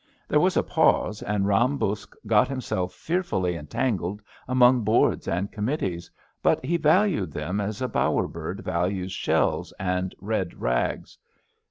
There was a pause, and Eam Buksh got himself fearfully entangled among Boards and Committees, but he valued them as a bower bird values shells and red rags.